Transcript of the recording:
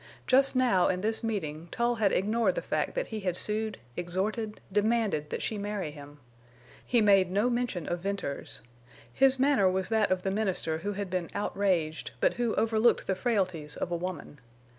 Just now in this meeting Tull had ignored the fact that he had sued, exhorted, demanded that she marry him. He made no mention of Venters. His manner was that of the minister who had been outraged, but who overlooked the frailties of a woman.